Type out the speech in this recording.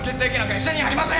医者にはありません！